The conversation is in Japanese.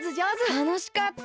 たのしかった！